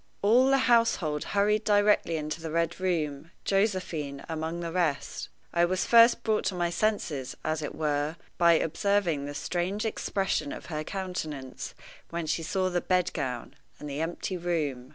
All the household hurried directly into the Red Room, Josephine among the rest. I was first brought to my senses, as it were, by observing the strange expression of her countenance when she saw the bed gown and the empty room.